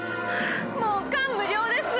もう感無量です！